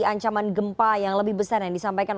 ancaman gempa yang lebih besar yang disampaikan